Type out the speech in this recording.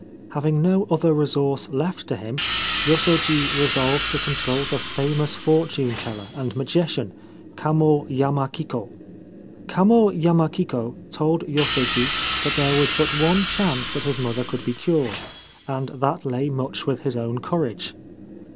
Having no other resource left to him, Yosoji resolved to consult a famous fortune teller and magician, Kamo Yamakiko. Kamo Yamakiko told Yosoji that there was but one chance that his mother could be cured, and that lay much with his own courage.